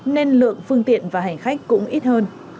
nên lượng phương tiện và hành khách cũng ít hơn